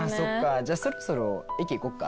じゃあそろそろ駅行こうか。